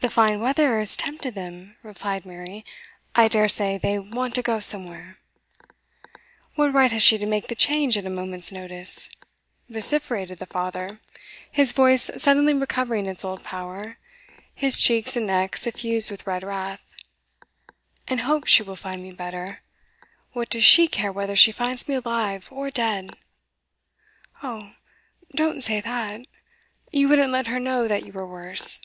'The fine weather has tempted them,' replied Mary. 'I daresay they want to go somewhere.' 'What right has she to make the change at a moment's notice?' vociferated the father, his voice suddenly recovering its old power, his cheeks and neck suffused with red wrath. 'And hopes she will find me better. What does she care whether she finds me alive or dead?' 'Oh, don't say that! You wouldn't let her know that you were worse.